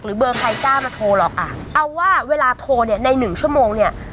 เบอร์ใครกล้ามาโทรหรอกอ่ะเอาว่าเวลาโทรเนี่ยในหนึ่งชั่วโมงเนี่ย